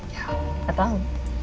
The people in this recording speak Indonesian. ya gak tau